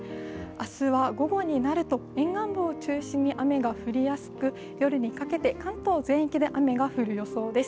明日は午後になると沿岸部を中心に雨が降りやすく夜にかけて関東全域で雨が降る予想です。